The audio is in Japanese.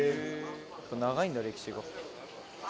「長いんだ歴史が」